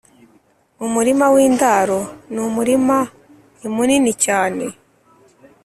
Umurima w’indaro ni umurima ni munini cyane